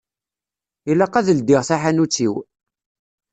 Ilaq ad ldiɣ taḥanut-iw.